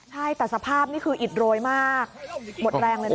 ใช่แต่สภาพนี่คืออิดโรยมากหมดแรงเลยนะ